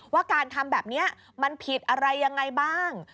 ว่าการทำแบบนี้มันผิดอะไรยังไงบ้าง